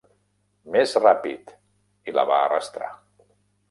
"Més ràpid!" i la va arrastrar.